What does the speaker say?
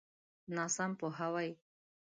ناسم پوهاوی.